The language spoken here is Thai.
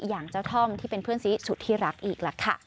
อย่างเจ้าท่อมที่เป็นเพื่อนซีสุดที่รักอีกล่ะค่ะ